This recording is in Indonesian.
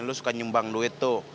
lu suka nyumbang duit tuh